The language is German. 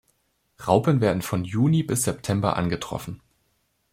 Raupen werden von Juni bis September angetroffen.